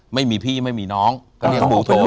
ไม่มีพี่ไม่มีน้องก็เรียกปู่โทร